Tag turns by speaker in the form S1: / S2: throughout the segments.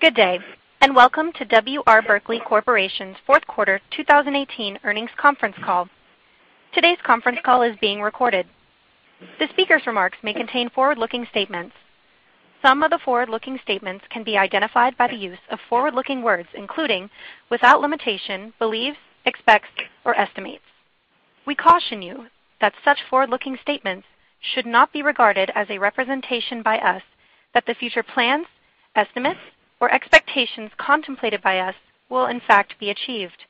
S1: Good day, and welcome to W. R. Berkley Corporation's fourth quarter 2018 earnings conference call. Today's conference call is being recorded. The speaker's remarks may contain forward-looking statements. Some of the forward-looking statements can be identified by the use of forward-looking words, including, without limitation, believes, expects or estimates. We caution you that such forward-looking statements should not be regarded as a representation by us that the future plans, estimates, or expectations contemplated by us will in fact be achieved.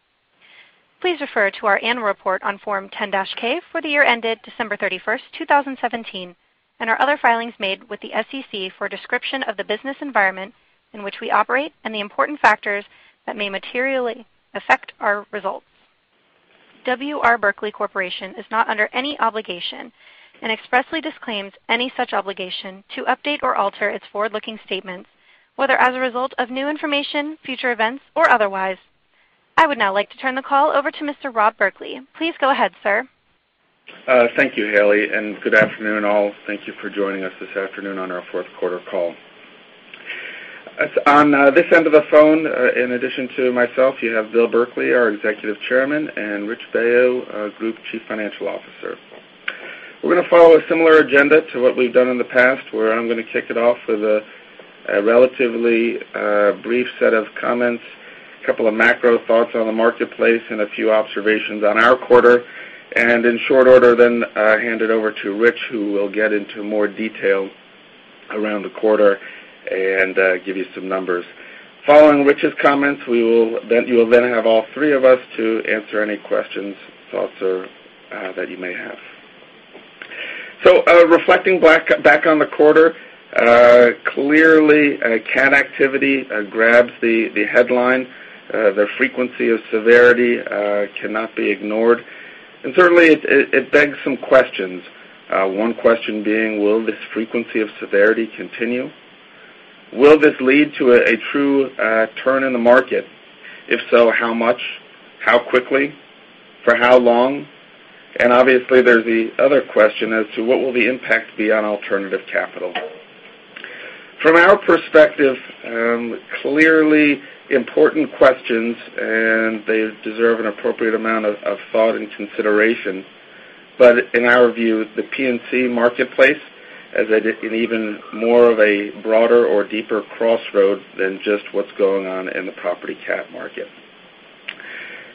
S1: Please refer to our annual report on Form 10-K for the year ended December 31st, 2017, and our other filings made with the SEC for a description of the business environment in which we operate and the important factors that may materially affect our results. W. R. Berkley Corporation is not under any obligation and expressly disclaims any such obligation to update or alter its forward-looking statements, whether as a result of new information, future events, or otherwise. I would now like to turn the call over to Mr. Rob Berkley. Please go ahead, sir.
S2: Thank you, Haley, and good afternoon all. Thank you for joining us this afternoon on our fourth quarter call. On this end of the phone, in addition to myself, you have Bill Berkley, our Executive Chairman, and Rich Baio, our Group Chief Financial Officer. We're going to follow a similar agenda to what we've done in the past, where I'm going to kick it off with a relatively brief set of comments, a couple of macro thoughts on the marketplace and a few observations on our quarter. In short order hand it over to Rich, who will get into more detail around the quarter and give you some numbers. Following Rich's comments, you will then have all three of us to answer any questions, thoughts that you may have. Reflecting back on the quarter, clearly cat activity grabs the headline. The frequency of severity cannot be ignored. Certainly it begs some questions. One question being, will this frequency of severity continue? Will this lead to a true turn in the market? If so, how much? How quickly? For how long? And obviously there's the other question as to what will the impact be on alternative capital. From our perspective, clearly important questions, and they deserve an appropriate amount of thought and consideration. In our view, the P&C marketplace is at an even more of a broader or deeper crossroads than just what's going on in the property cat market.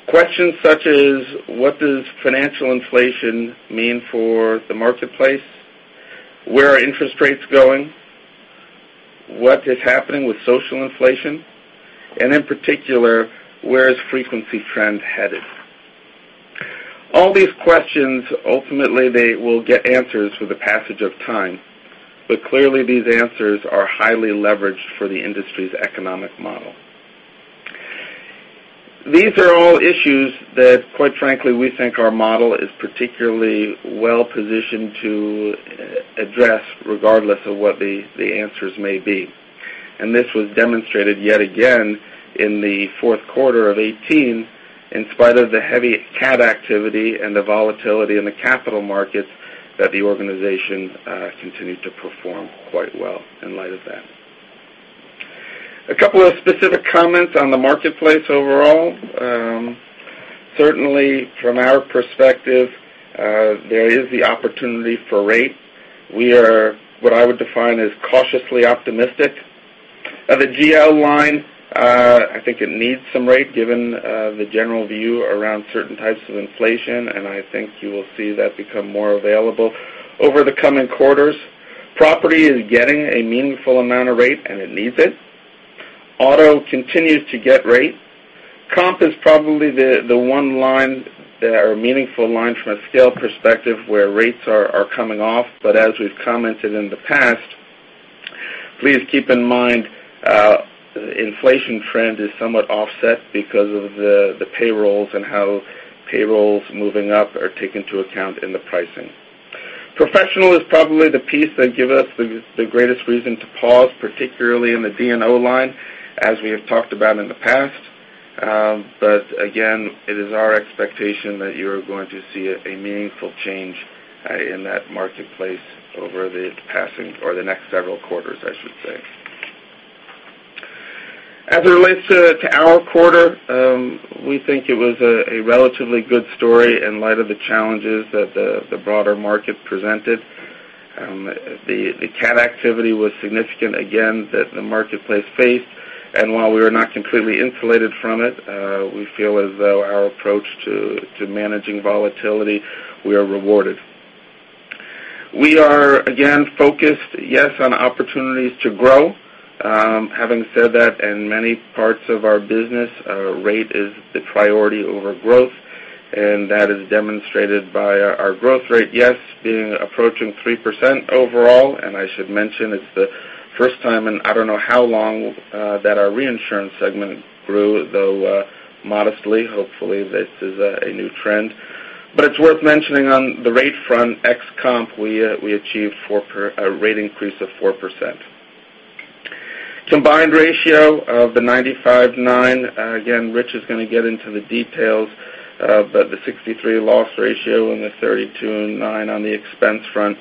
S2: Questions such as what does financial inflation mean for the marketplace? Where are interest rates going? What is happening with social inflation? In particular, where is frequency trend headed? All these questions, ultimately, they will get answers with the passage of time. Clearly these answers are highly leveraged for the industry's economic model. These are all issues that, quite frankly, we think our model is particularly well-positioned to address regardless of what the answers may be. This was demonstrated yet again in the fourth quarter of 2018, in spite of the heavy cat activity and the volatility in the capital markets that the organization continued to perform quite well in light of that. A couple of specific comments on the marketplace overall. Certainly from our perspective, there is the opportunity for rate. We are what I would define as cautiously optimistic. The GL line, I think it needs some rate given the general view around certain types of inflation, and I think you will see that become more available over the coming quarters. Property is getting a meaningful amount of rate, and it needs it. Auto continues to get rate. Comp is probably the one line that are a meaningful line from a scale perspective where rates are coming off. As we've commented in the past, please keep in mind inflation trend is somewhat offset because of the payrolls and how payrolls moving up are taken into account in the pricing. Professional is probably the piece that give us the greatest reason to pause, particularly in the D&O line, as we have talked about in the past. Again, it is our expectation that you are going to see a meaningful change in that marketplace over the passing or the next several quarters, I should say. As it relates to our quarter, we think it was a relatively good story in light of the challenges that the broader market presented. The cat activity was significant, again, that the marketplace faced. While we were not completely insulated from it, we feel as though our approach to managing volatility, we are rewarded. We are again focused, yes, on opportunities to grow. Having said that, in many parts of our business, rate is the priority over growth, and that is demonstrated by our growth rate, yes, being approaching 3% overall. I should mention it's the first time in I don't know how long that our reinsurance segment grew, though modestly. Hopefully this is a new trend. It's worth mentioning on the rate front, ex comp, we achieved a rate increase of 4%. Combined ratio of 95.9%. Again, Rich is going to get into the details of the 63% loss ratio and the 32.9% on the expense front.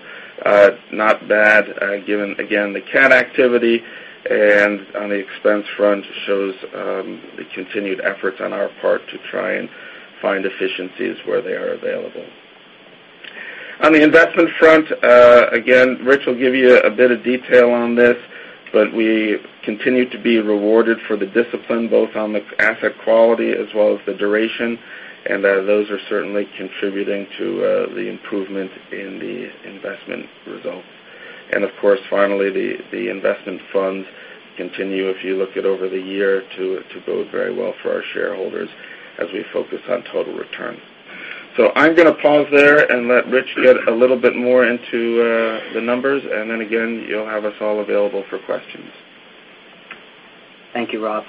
S2: Not bad given, again, the cat activity and on the expense front, it shows the continued efforts on our part to try and find efficiencies where they are available. On the investment front, again, Rich will give you a bit of detail on this, but we continue to be rewarded for the discipline, both on the asset quality as well as the duration, and those are certainly contributing to the improvement in the investment results. Of course, finally, the investment funds continue, if you look at over the year, to bode very well for our shareholders as we focus on total return. I'm going to pause there and let Rich get a little bit more into the numbers, and then again, you'll have us all available for questions.
S3: Thank you, Rob.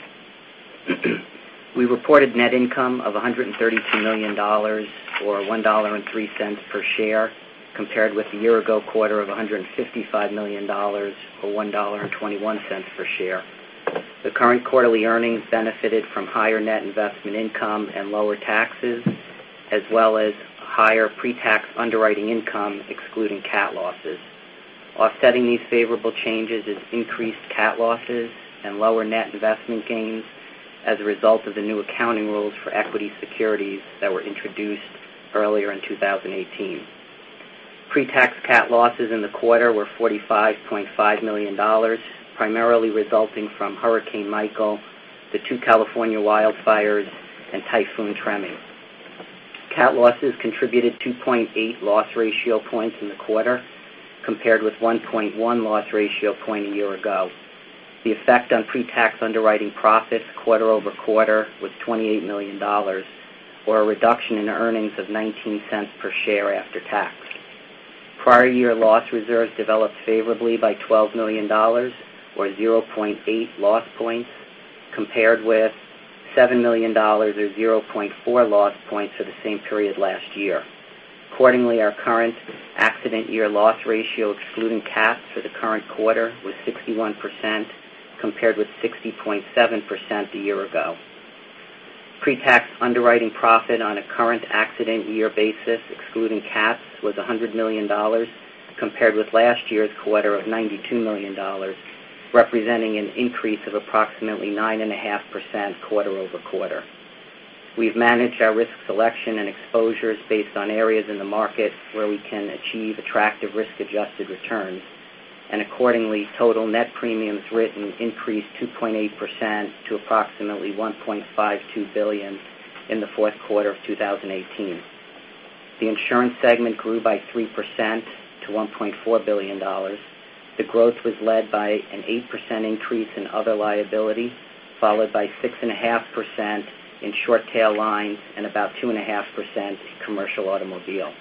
S3: We reported net income of $132 million, or $1.03 per share, compared with the year ago quarter of $155 million, or $1.21 per share. The current quarterly earnings benefited from higher net investment income and lower taxes, as well as higher pre-tax underwriting income, excluding cat losses. Offsetting these favorable changes is increased cat losses and lower net investment gains as a result of the new accounting rules for equity securities that were introduced earlier in 2018. Pre-tax cat losses in the quarter were $45.5 million, primarily resulting from Hurricane Michael, the two California wildfires, and Typhoon Trami. Cat losses contributed 2.8 loss ratio points in the quarter, compared with 1.1 loss ratio point a year ago. The effect on pre-tax underwriting profits quarter-over-quarter was $28 million, or a reduction in earnings of $0.19 per share after tax. Prior year loss reserves developed favorably by $12 million, or 0.8 loss points, compared with $7 million, or 0.4 loss points for the same period last year. Accordingly, our current accident year loss ratio, excluding cat losses for the current quarter, was 61%, compared with 60.7% a year ago. Pre-tax underwriting profit on a current accident year basis, excluding cat losses, was $100 million, compared with last year's quarter of $92 million, representing an increase of approximately 9.5% quarter-over-quarter. We've managed our risk selection and exposures based on areas in the market where we can achieve attractive risk-adjusted returns, accordingly, total net premiums written increased 2.8% to approximately $1.52 billion in the fourth quarter of 2018. The insurance segment grew by 3% to $1.4 billion. The growth was led by an 8% increase in other liability, followed by 6.5% in short tail lines and about 2.5% in commercial automobile.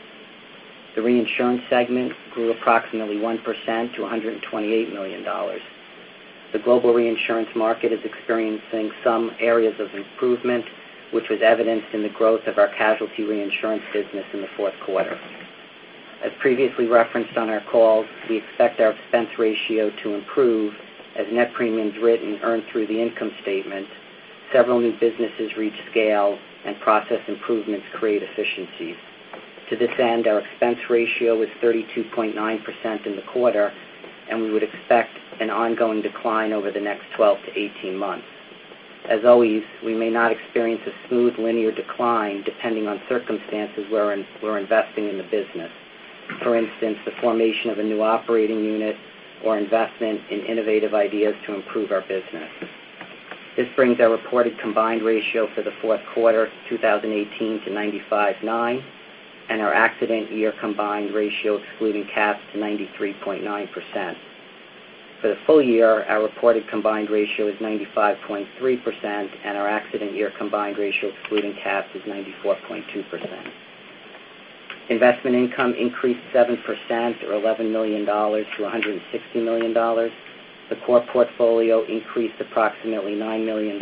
S3: The reinsurance segment grew approximately 1% to $128 million. The global reinsurance market is experiencing some areas of improvement, which was evidenced in the growth of our casualty reinsurance business in the fourth quarter. As previously referenced on our calls, we expect our expense ratio to improve as net premiums written earn through the income statement, several new businesses reach scale, and process improvements create efficiencies. To this end, our expense ratio was 32.9% in the quarter, we would expect an ongoing decline over the next 12 to 18 months. As always, we may not experience a smooth linear decline depending on circumstances where we're investing in the business. For instance, the formation of a new operating unit or investment in innovative ideas to improve our business. This brings our reported combined ratio for the fourth quarter 2018 to 95.9% and our accident year combined ratio, excluding cat losses, to 93.9%. For the full year, our reported combined ratio is 95.3%, our accident year combined ratio, excluding cat losses, is 94.2%. Investment income increased 7%, or $11 million to $160 million. The core portfolio increased approximately $9 million,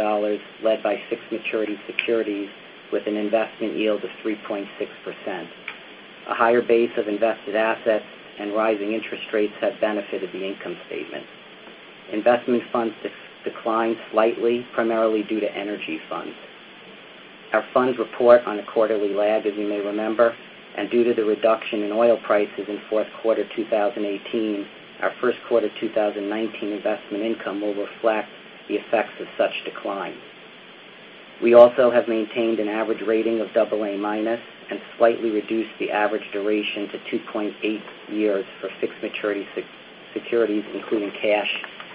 S3: led by six maturity securities with an investment yield of 3.6%. A higher base of invested assets and rising interest rates have benefited the income statement. Investment funds declined slightly, primarily due to energy funds. Our funds report on a quarterly lag, as you may remember, due to the reduction in oil prices in fourth quarter 2018, our first quarter 2019 investment income will reflect the effects of such declines. We also have maintained an average rating of AA minus and slightly reduced the average duration to 2.8 years for fixed maturity securities, including cash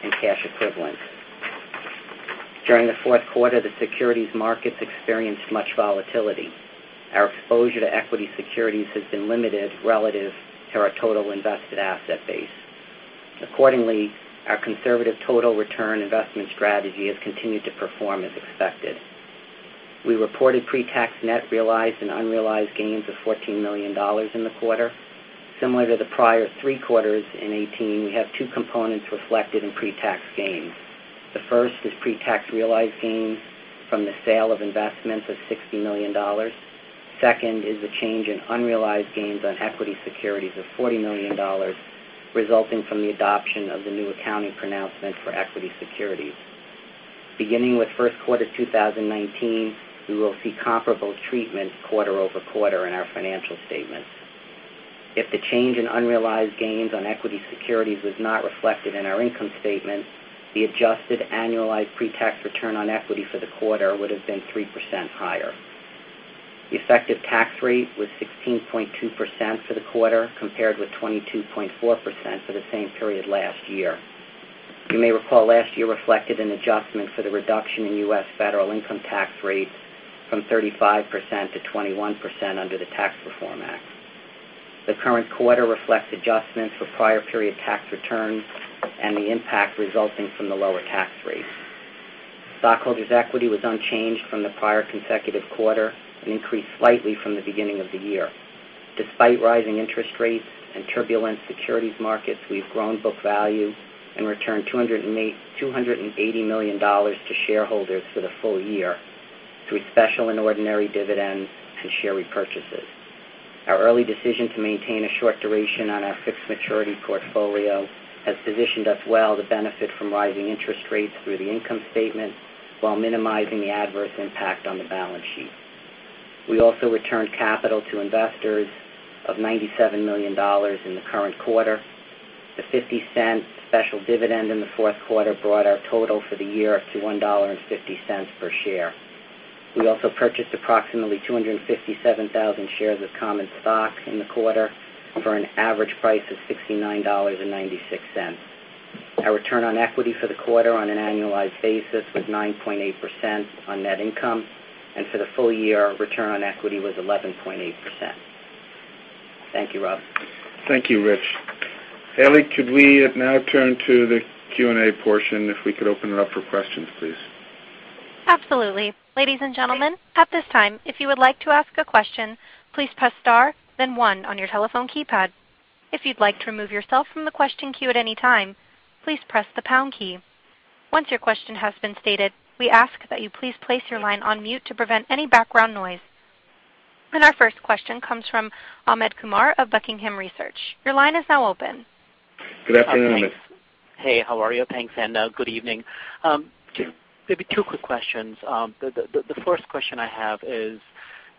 S3: and cash equivalents. During the fourth quarter, the securities markets experienced much volatility. Our exposure to equity securities has been limited relative to our total invested asset base. Accordingly, our conservative total return investment strategy has continued to perform as expected. We reported pre-tax net realized and unrealized gains of $14 million in the quarter. Similar to the prior three quarters in 2018, we have two components reflected in pre-tax gains. The first is pre-tax realized gains from the sale of investments of $60 million. Second is the change in unrealized gains on equity securities of $40 million resulting from the adoption of the new accounting pronouncement for equity securities. Beginning with first quarter 2019, we will see comparable treatment quarter-over-quarter in our financial statements. If the change in unrealized gains on equity securities was not reflected in our income statement, the adjusted annualized pre-tax return on equity for the quarter would have been 3% higher. The effective tax rate was 16.2% for the quarter, compared with 22.4% for the same period last year. You may recall last year reflected an adjustment for the reduction in U.S. federal income tax rates from 35% to 21% under the Tax Reform Act. The current quarter reflects adjustments for prior period tax returns and the impact resulting from the lower tax rate. Stockholders' equity was unchanged from the prior consecutive quarter and increased slightly from the beginning of the year. Despite rising interest rates and turbulent securities markets, we've grown book value and returned $280 million to shareholders for the full year through special and ordinary dividends and share repurchases. Our early decision to maintain a short duration on our fixed maturity portfolio has positioned us well to benefit from rising interest rates through the income statement while minimizing the adverse impact on the balance sheet. We also returned capital to investors of $97 million in the current quarter. The $0.50 special dividend in the fourth quarter brought our total for the year to $1.50 per share. We also purchased approximately 257,000 shares of common stock in the quarter for an average price of $69.96. Our return on equity for the quarter on an annualized basis was 9.8% on net income, and for the full year, our return on equity was 11.8%. Thank you, Rob.
S2: Thank you, Rich. Haley, could we now turn to the Q&A portion if we could open it up for questions, please?
S1: Absolutely. Ladies and gentlemen, at this time, if you would like to ask a question, please press star then one on your telephone keypad. If you'd like to remove yourself from the question queue at any time, please press the pound key. Once your question has been stated, we ask that you please place your line on mute to prevent any background noise. Our first question comes from Amit Kumar of Buckingham Research. Your line is now open.
S2: Good afternoon, Amit.
S4: Hey, how are you? Thanks. Good evening. Maybe two quick questions. The first question I have is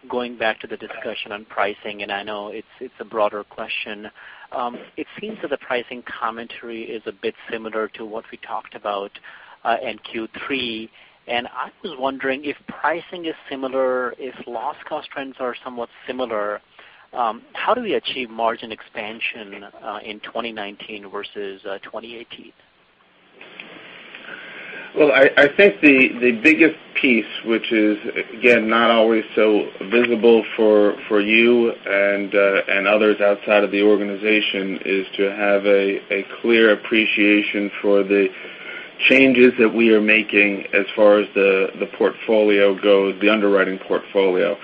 S4: going back to the discussion on pricing, and I know it's a broader question. It seems that the pricing commentary is a bit similar to what we talked about in Q3. I was wondering if pricing is similar, if loss cost trends are somewhat similar, how do we achieve margin expansion in 2019 versus 2018?
S2: Well, I think the biggest piece, which is, again, not always so visible for you and others outside of the organization, is to have a clear appreciation for the changes that we are making as far as the portfolio goes, the underwriting portfolio.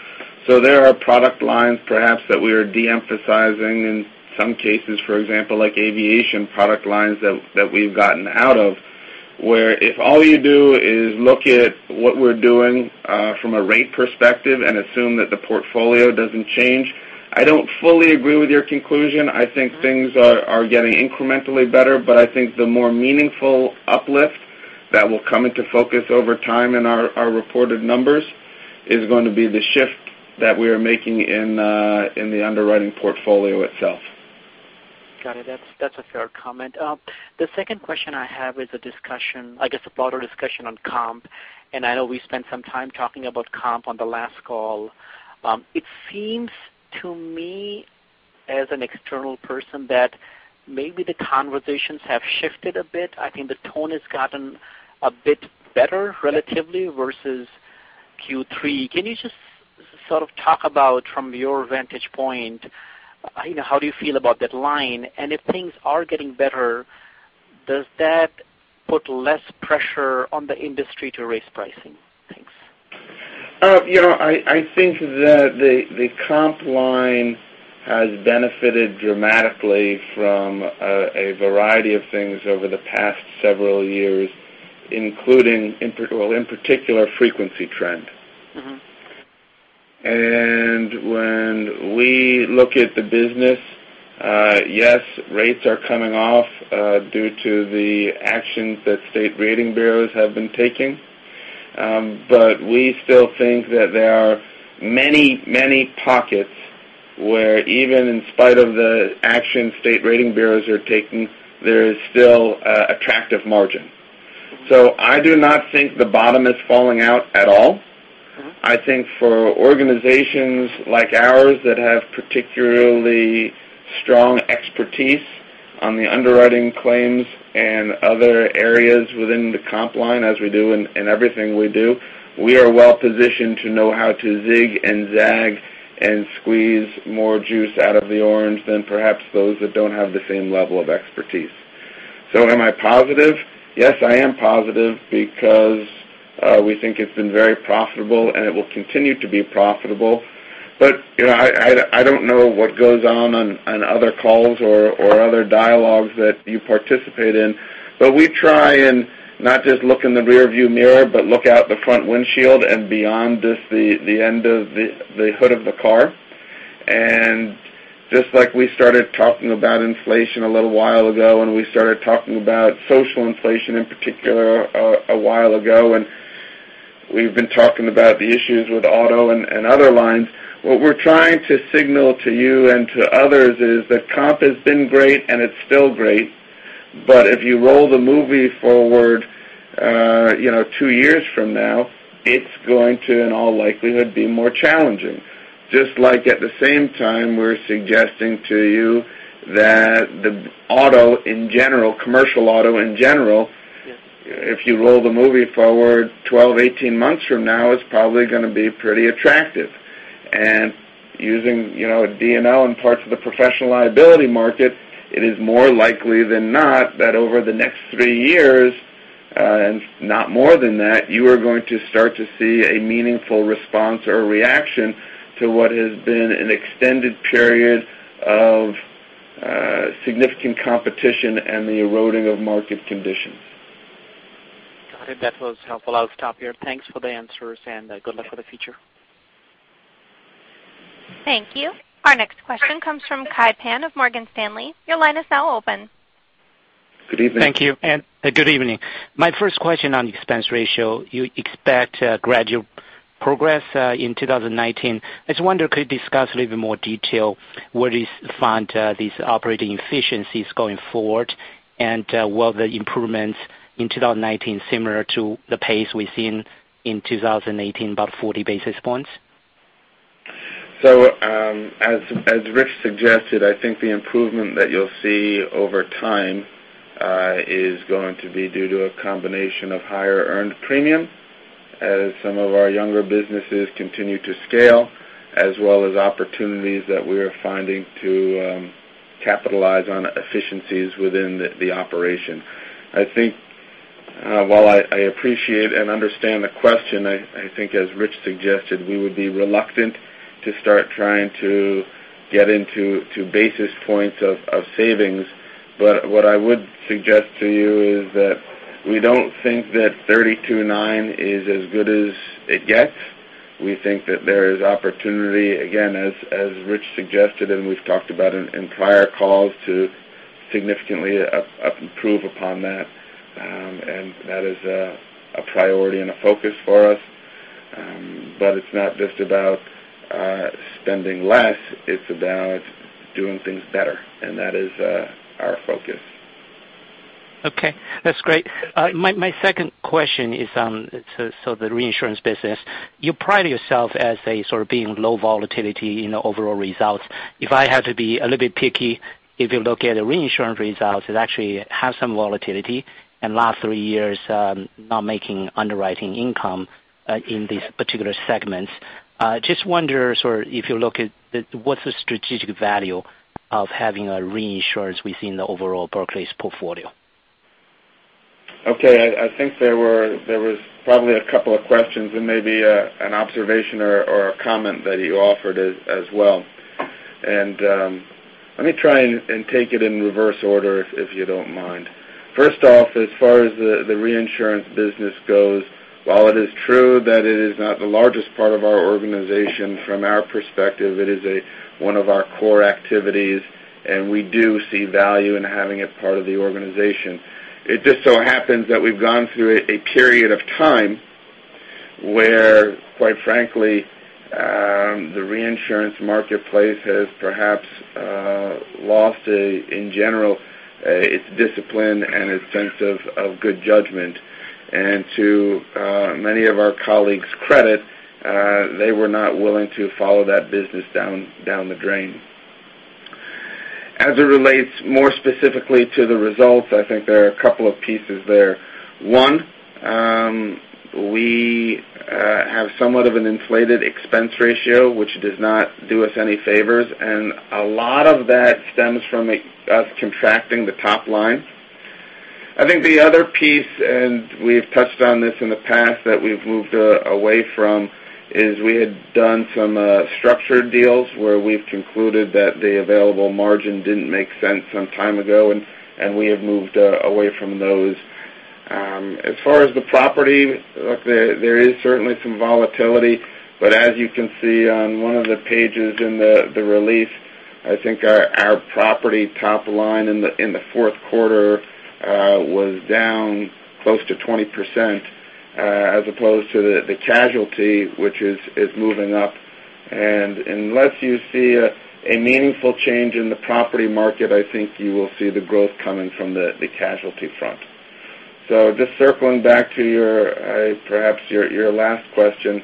S2: There are product lines perhaps that we are de-emphasizing in some cases, for example, like aviation product lines that we've gotten out of, where if all you do is look at what we're doing from a rate perspective and assume that the portfolio doesn't change, I don't fully agree with your conclusion. I think things are getting incrementally better, I think the more meaningful uplift that will come into focus over time in our reported numbers is going to be the shift that we are making in the underwriting portfolio itself.
S4: Got it. That's a fair comment. The second question I have is a discussion, I guess, a broader discussion on comp, and I know we spent some time talking about comp on the last call. It seems to me as an external person that maybe the conversations have shifted a bit. I think the tone has gotten a bit better relatively versus Q3. Can you just sort of talk about from your vantage point, how do you feel about that line? If things are getting better, does that put less pressure on the industry to raise pricing? Thanks.
S2: I think that the comp line has benefited dramatically from a variety of things over the past several years, including, well, in particular, frequency trend. When we look at the business, yes, rates are coming off due to the actions that state rating bureaus have been taking. We still think that there are many pockets where even in spite of the action state rating bureaus are taking, there is still attractive margin. I do not think the bottom is falling out at all. I think for organizations like ours that have particularly strong expertise on the underwriting claims and other areas within the comp line as we do in everything we do, we are well positioned to know how to zig and zag and squeeze more juice out of the orange than perhaps those that don't have the same level of expertise. Am I positive? Yes, I am positive because we think it's been very profitable, and it will continue to be profitable. I don't know what goes on other calls or other dialogues that you participate in, but we try and not just look in the rearview mirror, but look out the front windshield and beyond just the end of the hood of the car. Just like we started talking about inflation a little while ago, we started talking about social inflation in particular a while ago, and we've been talking about the issues with auto and other lines. What we're trying to signal to you and to others is that comp has been great, and it's still great. If you roll the movie forward 2 years from now, it's going to, in all likelihood, be more challenging. Just like at the same time, we're suggesting to you that commercial auto in general.
S5: Yes
S2: If you roll the movie forward 12, 18 months from now, it's probably going to be pretty attractive. Using D&O and parts of the professional liability market, it is more likely than not that over the next 3 years, and not more than that, you are going to start to see a meaningful response or reaction to what has been an extended period of significant competition and the eroding of market conditions.
S4: Got it. That was helpful. I'll stop here. Thanks for the answers, and good luck for the future.
S1: Thank you. Our next question comes from Kai Pan of Morgan Stanley. Your line is now open.
S6: Good evening. Thank you, and good evening. My first question on expense ratio, you expect gradual progress in 2019. I just wonder, could you discuss a little bit more detail where do you find these operating efficiencies going forward? Were the improvements in 2019 similar to the pace we've seen in 2018, about 40 basis points?
S2: As Rich suggested, I think the improvement that you'll see over time is going to be due to a combination of higher earned premium as some of our younger businesses continue to scale, as well as opportunities that we are finding to capitalize on efficiencies within the operation. While I appreciate and understand the question, I think as Rich suggested, we would be reluctant to start trying to get into basis points of savings. What I would suggest to you is that we don't think that 32.9 is as good as it gets. We think that there is opportunity, again, as Rich suggested and we've talked about in prior calls, to significantly improve upon that. That is a priority and a focus for us. It's not just about spending less, it's about doing things better. That is our focus.
S6: Okay. That's great. My second question is on the reinsurance business. You pride yourself as being low volatility in the overall results. If I had to be a little bit picky, if you look at the reinsurance results, it actually has some volatility, and last three years, not making underwriting income in these particular segments. Just wonder if you look at what's the strategic value of having a reinsurance within the overall Berkley's portfolio.
S2: Okay. I think there was probably a couple of questions and maybe an observation or a comment that you offered as well. Let me try and take it in reverse order, if you don't mind. First off, as far as the reinsurance business goes, while it is true that it is not the largest part of our organization, from our perspective, it is one of our core activities, and we do see value in having it part of the organization. It just so happens that we've gone through a period of time where, quite frankly, the reinsurance marketplace has perhaps lost, in general, its discipline and its sense of good judgment. To many of our colleagues' credit, they were not willing to follow that business down the drain. As it relates more specifically to the results, I think there are a couple of pieces there. One, we have somewhat of an inflated expense ratio, which does not do us any favors, and a lot of that stems from us contracting the top line. I think the other piece, and we've touched on this in the past that we've moved away from, is we had done some structured deals where we've concluded that the available margin didn't make sense some time ago, and we have moved away from those. As far as the property, look, there is certainly some volatility, but as you can see on one of the pages in the release, I think our property top line in the fourth quarter was down close to 20%, as opposed to the casualty, which is moving up. Unless you see a meaningful change in the property market, I think you will see the growth coming from the casualty front. Just circling back to perhaps your last question.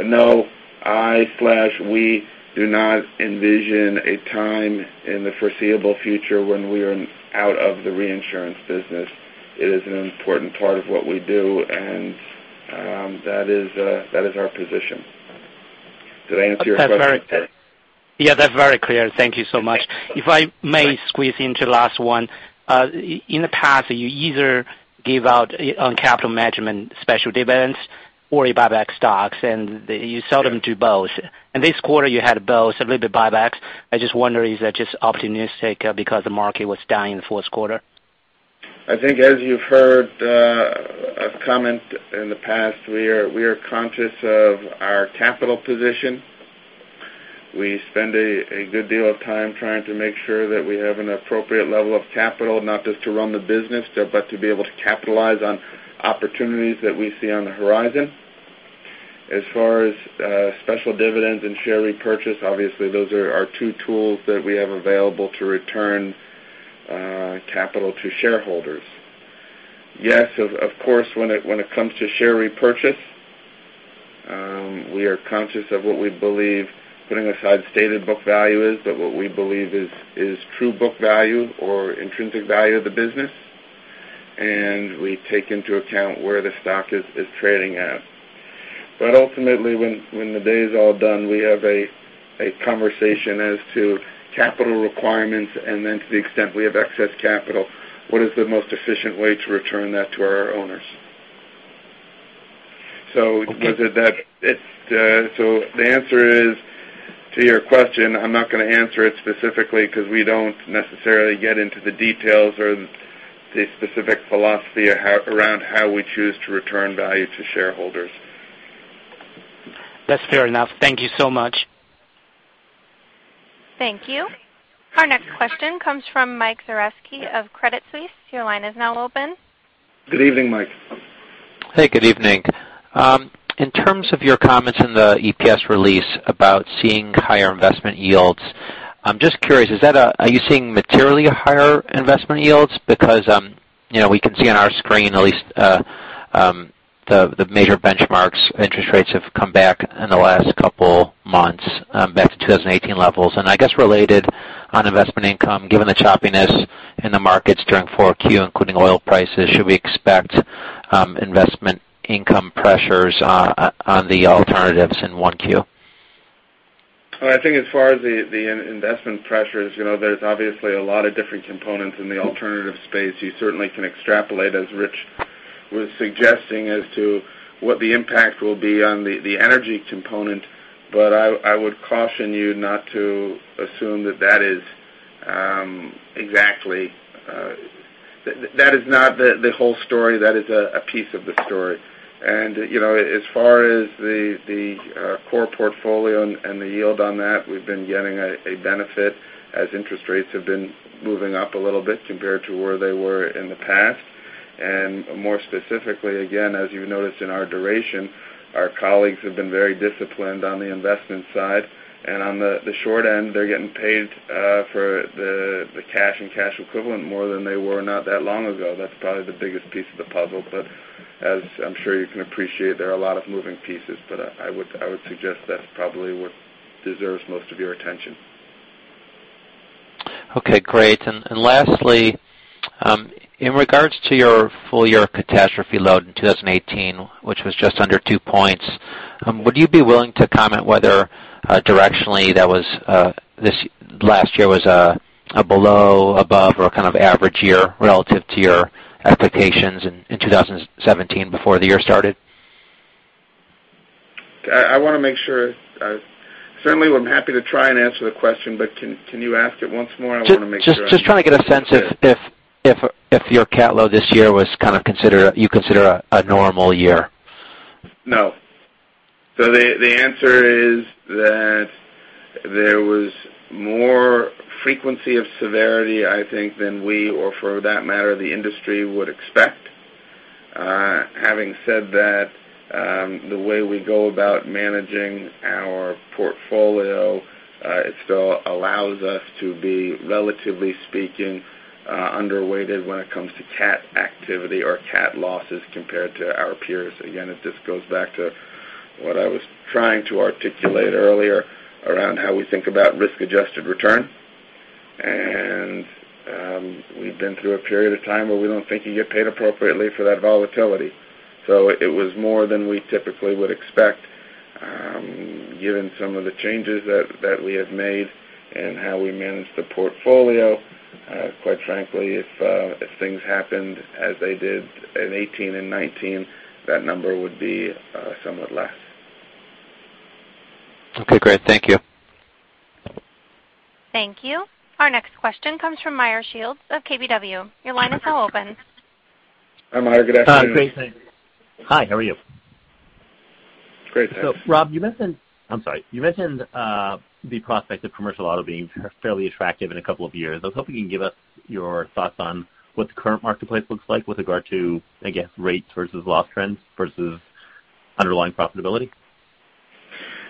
S2: No, I/we do not envision a time in the foreseeable future when we are out of the reinsurance business. It is an important part of what we do, and that is our position. Did I answer your question?
S6: Yeah, that's very clear. Thank you so much. If I may squeeze into last one. In the past, you either give out on capital management special dividends or you buy back stocks, and you seldom do both. In this quarter, you had both, a little bit buybacks. I just wonder, is that just opportunistic because the market was down in the fourth quarter?
S2: I think as you've heard us comment in the past, we are conscious of our capital position. We spend a good deal of time trying to make sure that we have an appropriate level of capital, not just to run the business, but to be able to capitalize on opportunities that we see on the horizon. As far as special dividends and share repurchase, obviously, those are our two tools that we have available to return capital to shareholders. Yes, of course, when it comes to share repurchase, we are conscious of what we believe, putting aside stated book value is, but what we believe is true book value or intrinsic value of the business. We take into account where the stock is trading at. Ultimately, when the day is all done, we have a conversation as to capital requirements and then to the extent we have excess capital, what is the most efficient way to return that to our owners. The answer is, to your question, I'm not going to answer it specifically because we don't necessarily get into the details or the specific philosophy around how we choose to return value to shareholders.
S6: That's fair enough. Thank you so much.
S1: Thank you. Our next question comes from Michael Zaremski of Credit Suisse. Your line is now open.
S2: Good evening, Mike.
S7: Hey, good evening. In terms of your comments in the EPS release about seeing higher investment yields, I'm just curious, are you seeing materially higher investment yields? Because we can see on our screen at least, the major benchmarks interest rates have come back in the last couple months, back to 2018 levels. I guess related on investment income, given the choppiness in the markets during Q4, including oil prices, should we expect investment income pressures on the alternatives in 1Q?
S2: I think as far as the investment pressures, there's obviously a lot of different components in the alternative space. You certainly can extrapolate, as Rich was suggesting, as to what the impact will be on the energy component. I would caution you not to assume that is not the whole story, that is a piece of the story. As far as the core portfolio and the yield on that, we've been getting a benefit as interest rates have been moving up a little bit compared to where they were in the past. More specifically, again, as you've noticed in our duration, our colleagues have been very disciplined on the investment side. On the short end, they're getting paid for the cash and cash equivalent more than they were not that long ago. That's probably the biggest piece of the puzzle. As I'm sure you can appreciate, there are a lot of moving pieces. I would suggest that's probably what deserves most of your attention.
S7: Lastly, in regards to your full-year catastrophe load in 2018, which was just under two points, would you be willing to comment whether directionally this last year was a below, above, or kind of average year relative to your expectations in 2017 before the year started?
S2: I want to make sure. Certainly, I'm happy to try and answer the question, Can you ask it once more? I want to make sure I understand.
S7: Just trying to get a sense if your cat load this year you consider a normal year.
S2: No. The answer is that there was more frequency of severity, I think, than we, or for that matter, the industry would expect. Having said that, the way we go about managing our portfolio, it still allows us to be, relatively speaking, underweighted when it comes to cat activity or cat losses compared to our peers. Again, it just goes back to what I was trying to articulate earlier around how we think about risk-adjusted return. We've been through a period of time where we don't think you get paid appropriately for that volatility. It was more than we typically would expect, given some of the changes that we have made in how we manage the portfolio. Quite frankly, if things happened as they did in 2018 and 2019, that number would be somewhat less.
S7: Okay, great. Thank you.
S1: Thank you. Our next question comes from Meyer Shields of KBW. Your line is now open.
S2: Hi, Meyer. Good afternoon.
S8: Hi. Great, thank you. Hi, how are you? Great, thanks. Rob, you mentioned the prospect of commercial auto being fairly attractive in a couple of years. I was hoping you can give us your thoughts on what the current marketplace looks like with regard to, I guess, rate versus loss trends versus underlying profitability.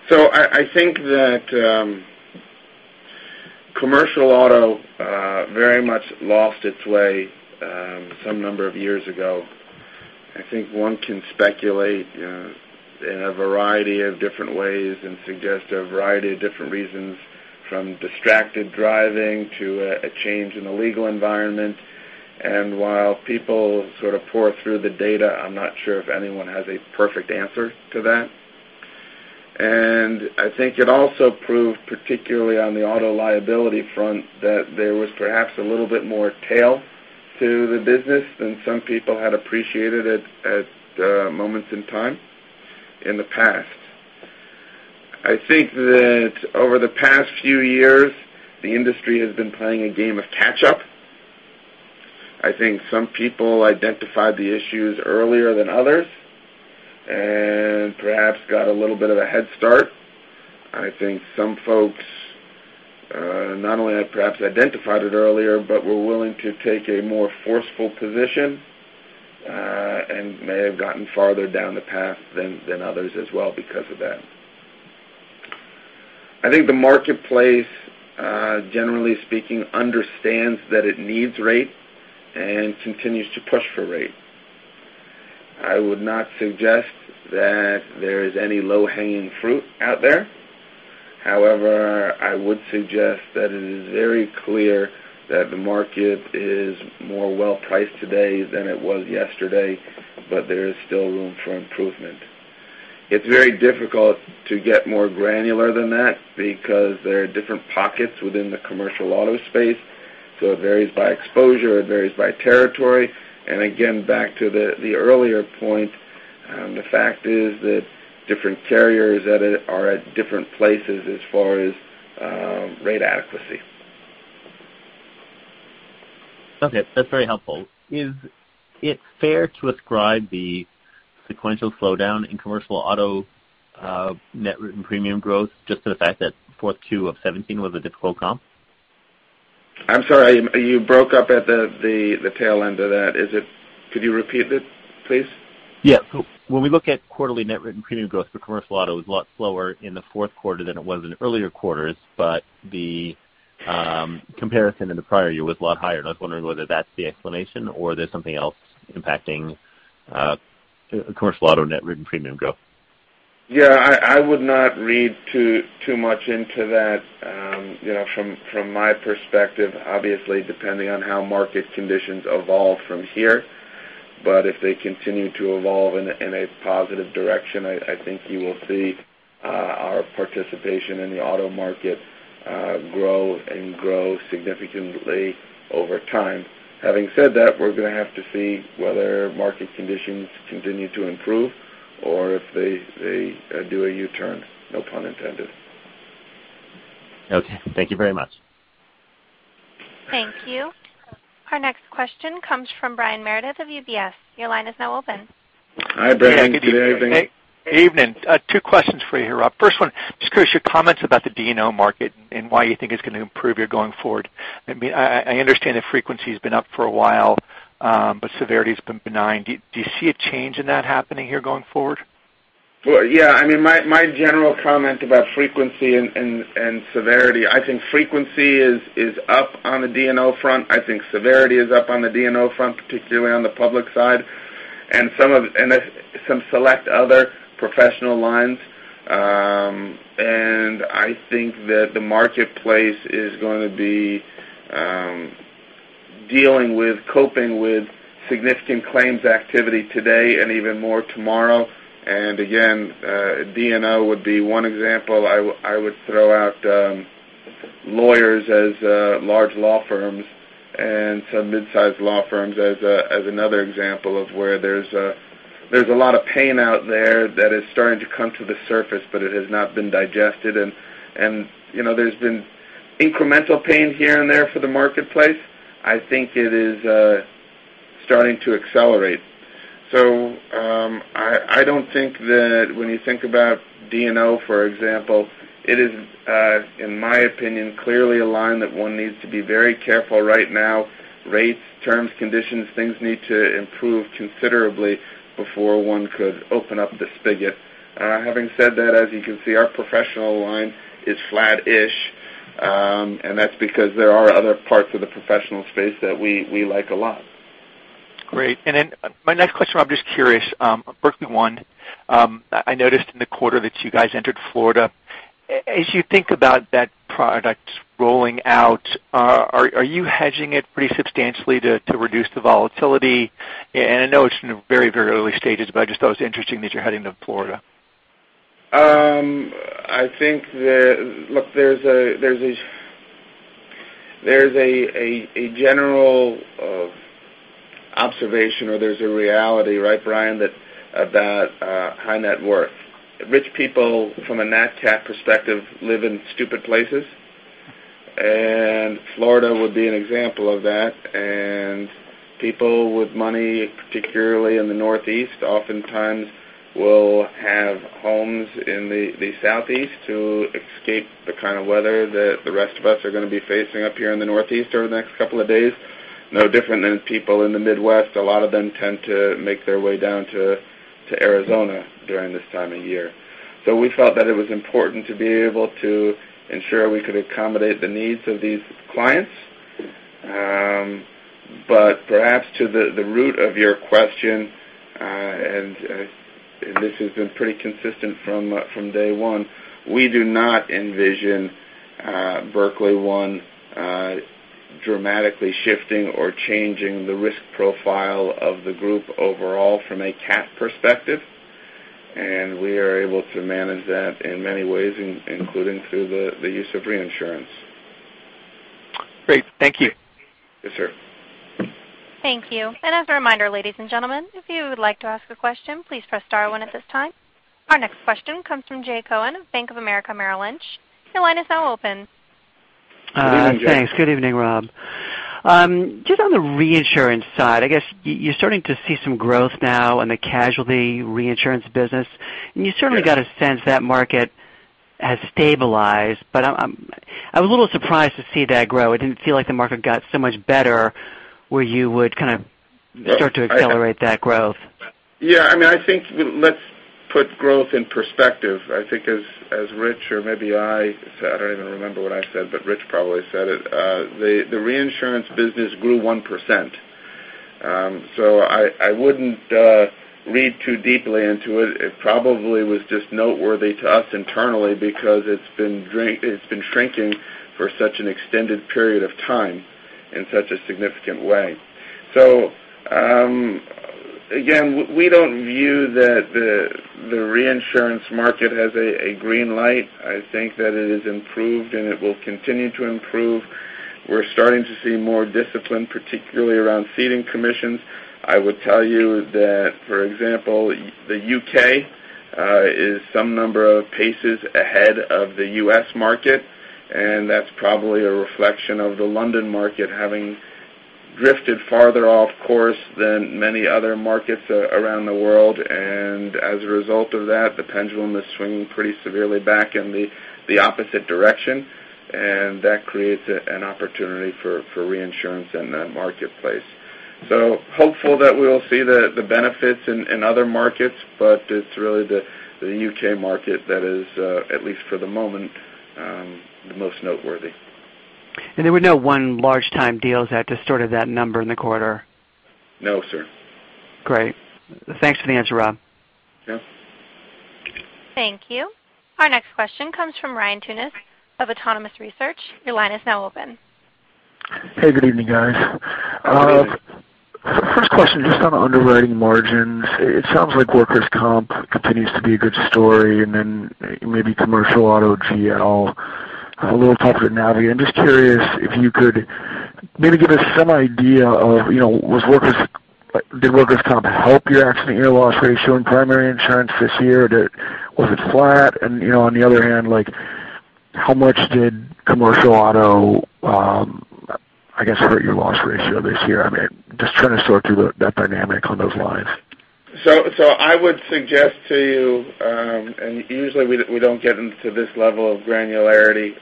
S2: I think that commercial auto very much lost its way some number of years ago. I think one can speculate in a variety of different ways and suggest a variety of different reasons from distracted driving to a change in the legal environment. While people sort of pour through the data, I'm not sure if anyone has a perfect answer to that. I think it also proved, particularly on the auto liability front, that there was perhaps a little bit more tail to the business than some people had appreciated at moments in time in the past. I think that over the past few years, the industry has been playing a game of catch up. I think some people identified the issues earlier than others and perhaps got a little bit of a head start. I think some folks not only have perhaps identified it earlier, but were willing to take a more forceful position, and may have gotten farther down the path than others as well because of that. I think the marketplace, generally speaking, understands that it needs rate and continues to push for rate. I would not suggest that there is any low-hanging fruit out there. However, I would suggest that it is very clear that the market is more well-priced today than it was yesterday, but there is still room for improvement. It's very difficult to get more granular than that because there are different pockets within the commercial auto space. It varies by exposure, it varies by territory. And again, back to the earlier point, the fact is that different carriers are at different places as far as rate adequacy.
S8: Okay. That's very helpful. Is it fair to ascribe the sequential slowdown in commercial auto net written premium growth just to the fact that Q4 2017 was a difficult comp?
S2: I'm sorry. You broke up at the tail end of that. Could you repeat it, please?
S8: Yeah. When we look at quarterly net written premium growth for commercial auto, it was a lot slower in the fourth quarter than it was in earlier quarters, but the comparison in the prior year was a lot higher. And I was wondering whether that's the explanation or there's something else impacting commercial auto net written premium growth.
S2: Yeah, I would not read too much into that. From my perspective, obviously, depending on how market conditions evolve from here, but if they continue to evolve in a positive direction, I think you will see our participation in the auto market grow and grow significantly over time. Having said that, we're going to have to see whether market conditions continue to improve or if they do a U-turn, no pun intended.
S8: Okay. Thank you very much.
S1: Thank you. Our next question comes from Brian Meredith of UBS. Your line is now open.
S2: Hi, Brian. Good evening.
S9: Evening. Two questions for you here, Rob. First one, just curious, your comments about the D&O market and why you think it is going to improve here going forward. I understand that frequency's been up for a while, but severity's been benign. Do you see a change in that happening here going forward?
S2: Well, yeah. My general comment about frequency and severity, I think frequency is up on the D&O front. I think severity is up on the D&O front, particularly on the public side and some select other professional lines. I think that the marketplace is going to be dealing with, coping with significant claims activity today and even more tomorrow. Again, D&O would be one example. I would throw out lawyers as large law firms and some mid-sized law firms as another example of where there is a lot of pain out there that is starting to come to the surface, but it has not been digested. There has been incremental pain here and there for the marketplace. I think it is starting to accelerate. I don't think that when you think about D&O, for example, it is, in my opinion, clearly a line that one needs to be very careful right now. Rates, terms, conditions, things need to improve considerably before one could open up the spigot. Having said that, as you can see, our professional line is flat-ish, and that is because there are other parts of the professional space that we like a lot.
S9: Great. Then my next question, Rob, just curious. Berkley One, I noticed in the quarter that you guys entered Florida. As you think about that product rolling out, are you hedging it pretty substantially to reduce the volatility? I know it is in the very early stages, but I just thought it was interesting that you are heading to Florida.
S2: Look, there's a general observation, or there's a reality, right, Brian, about high net worth. Rich people from a nat cat perspective live in stupid places, and Florida would be an example of that. People with money, particularly in the Northeast, oftentimes will have homes in the Southeast to escape the kind of weather that the rest of us are going to be facing up here in the Northeast over the next couple of days. No different than people in the Midwest. A lot of them tend to make their way down to Arizona during this time of year. We felt that it was important to be able to ensure we could accommodate the needs of these clients. Perhaps to the root of your question, and this has been pretty consistent from day one, we do not envision Berkley One dramatically shifting or changing the risk profile of the group overall from a cat perspective. We are able to manage that in many ways, including through the use of reinsurance.
S9: Great. Thank you.
S2: Yes, sir.
S1: Thank you. As a reminder, ladies and gentlemen, if you would like to ask a question, please press star one at this time. Our next question comes from Jay Cohen of Bank of America Merrill Lynch. Your line is now open.
S10: Uh-
S2: Good evening, Jay.
S10: Thanks. Good evening, Rob. Just on the reinsurance side, I guess you're starting to see some growth now in the casualty reinsurance business.
S2: Yes.
S10: You certainly got a sense that market has stabilized, I'm a little surprised to see that grow. It didn't feel like the market got so much better where you would kind of start to accelerate that growth.
S2: I think let's put growth in perspective. As Rich or maybe I said, I don't even remember what I said, but Rich probably said it. The reinsurance business grew 1%. I wouldn't read too deeply into it. It probably was just noteworthy to us internally because it's been shrinking for such an extended period of time in such a significant way. Again, we don't view that the reinsurance market has a green light. It has improved, and it will continue to improve. We're starting to see more discipline, particularly around ceding commissions. I would tell you that, for example, the U.K. is some number of paces ahead of the U.S. market, and that's probably a reflection of the London market having drifted farther off course than many other markets around the world. As a result of that, the pendulum is swinging pretty severely back in the opposite direction. That creates an opportunity for reinsurance in that marketplace. Hopeful that we'll see the benefits in other markets, but it's really the U.K. market that is, at least for the moment, the most noteworthy.
S10: There were no one large-time deals that distorted that number in the quarter?
S2: No, sir.
S10: Great. Thanks for the answer, Rob.
S2: Yeah.
S1: Thank you. Our next question comes from Ryan Tunis of Autonomous Research. Your line is now open.
S11: Hey, good evening, guys.
S2: Good evening.
S11: First question, just on underwriting margins. It sounds like workers' comp continues to be a good story, then maybe commercial auto GL, a little tougher to navigate. I'm just curious if you could maybe give us some idea of, did workers' comp help your accident year loss ratio in primary insurance this year? Was it flat? On the other hand, how much did commercial auto I guess hurt your loss ratio this year? Just trying to sort through that dynamic on those lines.
S2: I would suggest to you, usually we don't get into this level of granularity,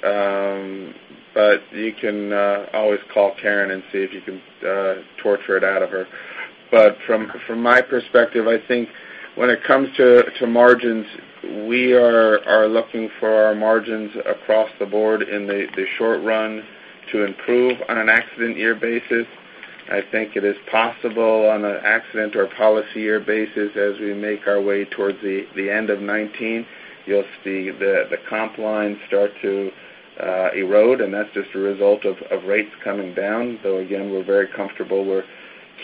S2: but you can always call Karen and see if you can torture it out of her. From my perspective, I think when it comes to margins, we are looking for our margins across the board in the short run to improve on an accident year basis. I think it is possible on an accident or a policy year basis as we make our way towards the end of 2019. You'll see the comp line start to erode, that's just a result of rates coming down. Again, we're very comfortable we're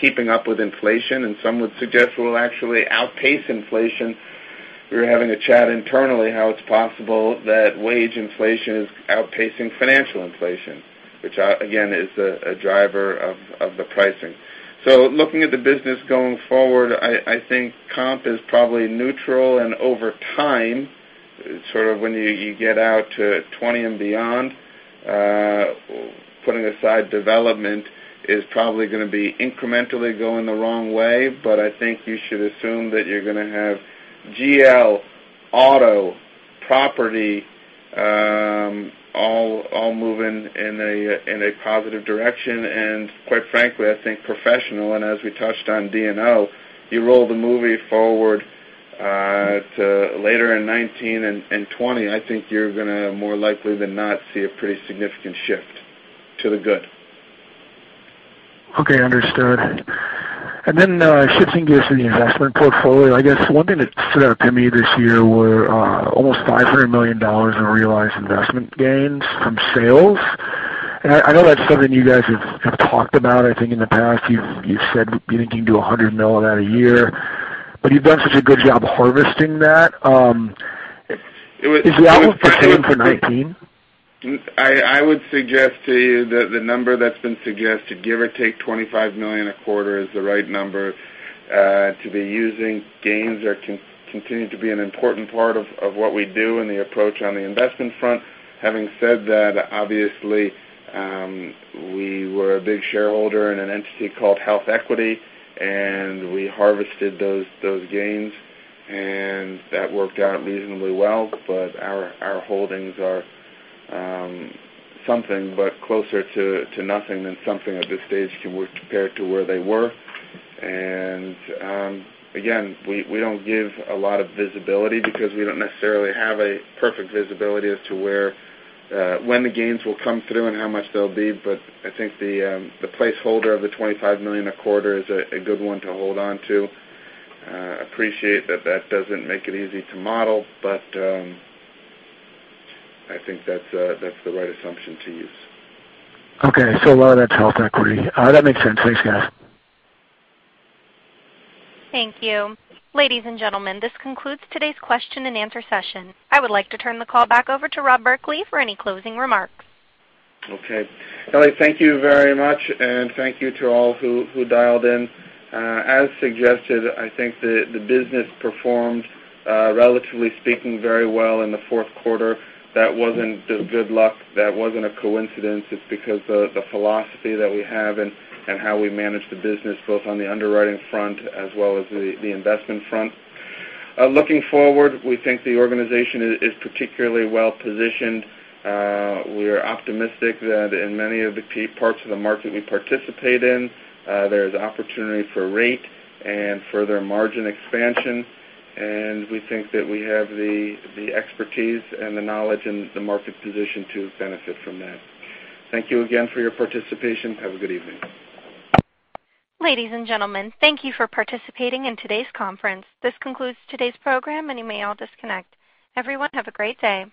S2: keeping up with inflation, some would suggest we'll actually outpace inflation. We were having a chat internally how it's possible that wage inflation is outpacing financial inflation, which again, is a driver of the pricing. Looking at the business going forward, I think comp is probably neutral over time, sort of when you get out to 2020 and beyond, putting aside development is probably going to be incrementally going the wrong way. I think you should assume that you're going to have GL, auto, property, all moving in a positive direction, quite frankly, I think professional, and as we touched on D&O. You roll the movie forward to later in 2019 and 2020, I think you're going to more likely than not see a pretty significant shift to the good.
S11: Okay. Understood. Then, shifting gears to the investment portfolio, I guess one thing that stood out to me this year were almost $500 million in realized investment gains from sales. I know that's something you guys have talked about, I think, in the past. You've said you think you can do $100 million of that a year. You've done such a good job harvesting that. Is the outlook the same for 2019?
S2: I would suggest to you that the number that's been suggested, give or take $25 million a quarter, is the right number to be using. Gains continue to be an important part of what we do and the approach on the investment front. Having said that, obviously, we were a big shareholder in an entity called HealthEquity, and we harvested those gains, and that worked out reasonably well. But our holdings are something but closer to nothing than something at this stage compared to where they were. And again, we don't give a lot of visibility because we don't necessarily have a perfect visibility as to when the gains will come through and how much they'll be. But I think the placeholder of the $25 million a quarter is a good one to hold on to. Appreciate that doesn't make it easy to model, but I think that's the right assumption to use.
S11: Okay. A lot of that's HealthEquity. That makes sense. Thanks, guys.
S1: Thank you. Ladies and gentlemen, this concludes today's question and answer session. I would like to turn the call back over to Rob Berkley for any closing remarks.
S2: Okay. Kelly, thank you very much, and thank you to all who dialed in. As suggested, I think the business performed, relatively speaking, very well in the fourth quarter. That wasn't just good luck. That wasn't a coincidence. It's because of the philosophy that we have and how we manage the business, both on the underwriting front as well as the investment front. Looking forward, we think the organization is particularly well-positioned. We are optimistic that in many of the key parts of the market we participate in, there's opportunity for rate and further margin expansion, and we think that we have the expertise and the knowledge and the market position to benefit from that. Thank you again for your participation. Have a good evening.
S1: Ladies and gentlemen, thank you for participating in today's conference. This concludes today's program, and you may all disconnect. Everyone, have a great day.